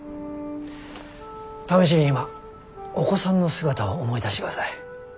試しに今お子さんの姿を思い出してください。